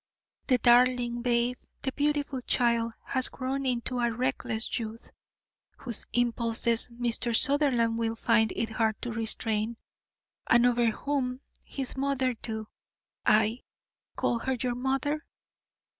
The darling babe, the beautiful child, has grown into a reckless youth whose impulses Mr. Sutherland will find it hard to restrain, and over whom his mother do I call her your mother?